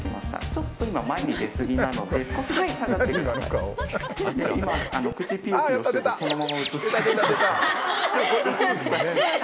ちょっと前に出すぎなので少しだけ下がってください。